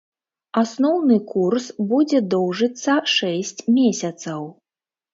Асноўны курс будзе доўжыцца шэсць месяцаў.